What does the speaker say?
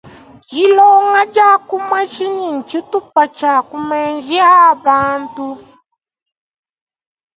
Dilonga dia ku mashinyi ntshitupa tshia ku menji a bantu.